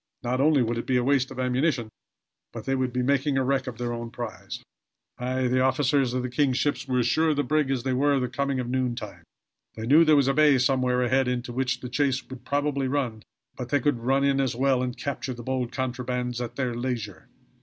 Not only would it be a waste of ammunition, but they would be making a wreck of their own prize. Aye, the officers of the king's ship were as sure of the brig as they were of the coming of noontime. They knew there was a bay somewhere ahead into which the chase would probably run; but they could run in as well and capture the bold contrabandists at their leisure.